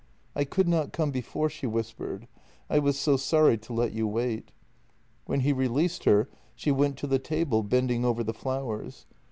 " I could not come before," she whispered. " I w 7 as so sorry to let you wait." When he released her she went to the table, bending over the flowers.